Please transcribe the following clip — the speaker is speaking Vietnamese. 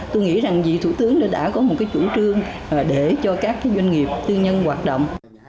tôi nghĩ rằng dị thủ tướng đã có một chủ trương để cho các doanh nghiệp tư nhân hoạt động